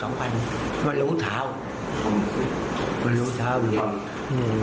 มันรู้เท้ามันรู้เท้าอยู่นี่